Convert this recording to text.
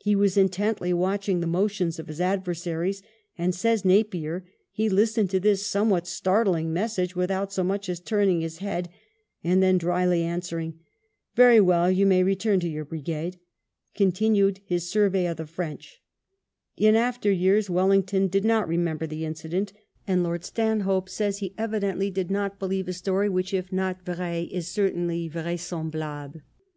He was intently watching the motions of his adversaries, and, says Napier, he " listened to this somewhat startling message without so much as turning his head, and then drily answering, * Very well, you may return to your brigade,' continued his survey of the FrencL" In after years WelKngton did not remember the incident^ and Lord Stanhope says he evidently did not beheve a story which, if not vra% is certainly vraiserriblable.